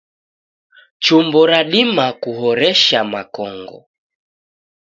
Chumbo radima kuhoresha makongo